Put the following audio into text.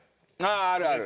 あるある。